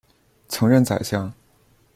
曾任宰相。